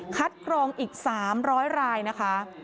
กรองอีก๓๐๐รายนะคะ